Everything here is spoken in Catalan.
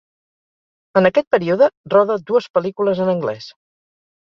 En aquest període roda dues pel·lícules en anglès.